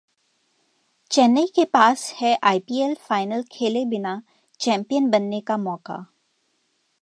चेन्नई के पास है आईपीएल फाइनल खेले बिना चैंपियन बनने का मौका